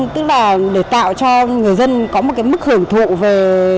tức là để tạo cho người dân có một cái mức hưởng thụ về